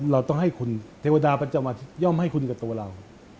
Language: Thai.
เราต้องให้คุณเทวดาประจำมาย่อมให้คุณกับตัวเรา